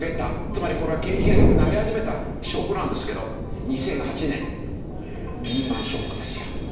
つまりこれは景気が良くなり始めた証拠なんですけど２００８年リーマンショックですよ。